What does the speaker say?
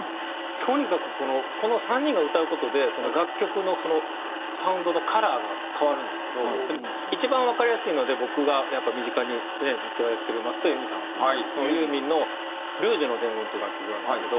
とにかくこのこの３人が歌う事でその楽曲の一番わかりやすいので僕がやっぱ身近にねずっとやってる松任谷由実さんのユーミンの『ルージュの伝言』っていう楽曲があるんですけど。